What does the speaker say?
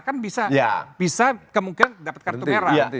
kan bisa kemungkinan dapat kartu merah